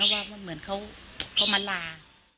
ว่ามันเหมือนเขามาลา